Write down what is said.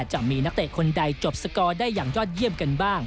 จะมีนักเตะคนใดจบสกอร์ได้อย่างยอดเยี่ยมกันบ้าง